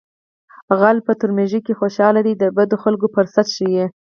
غل په ترږمۍ کې خوشحاله وي د بدو خلکو فرصت ښيي